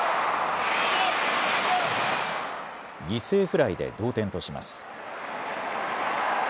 犠牲フライで同点とします。